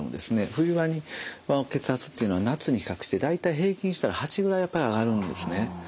冬場の血圧というのは夏に比較して大体平均したら８ぐらい上がるんですね。